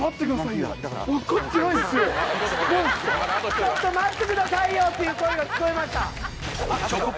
「ちょっと待ってくださいよ」っていう声が聞こえました！